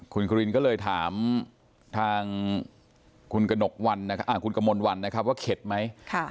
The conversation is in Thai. คุณครินก็เลยถามทางคุณกมลวันนะครับว่าเข็ดไหม